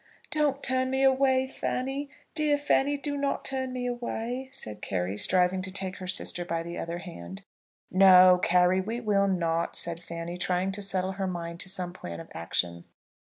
"Don't turn me away, Fanny. Dear Fanny, do not turn me away," said Carry, striving to take her sister by the other hand. "No, Carry, we will not," said Fanny, trying to settle her mind to some plan of action.